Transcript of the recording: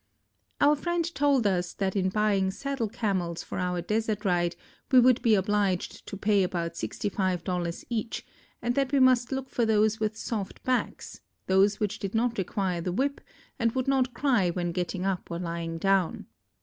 ] Our friend told us that in buying saddle Camels for our desert ride we would be obliged to pay about sixty five dollars each, and that we must look for those with soft backs, those which did not require the whip and would not cry when getting up or lying down.